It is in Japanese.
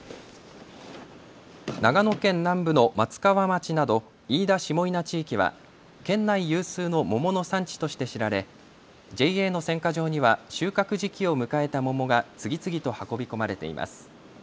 長野県南部の松川町など飯田下伊那地域は県内有数の桃の産地として知られＪＡの選果場には収穫時期を迎えた桃が次々と運び込まれています。